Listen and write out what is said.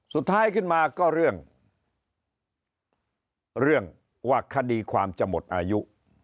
สุดท้ายขึ้นมาก็เรื่องเรื่องว่าคดีความจะหมดอายุ